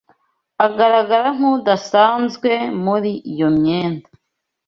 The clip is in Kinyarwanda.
Agaragara nkudasanzwe muri iyo myenda.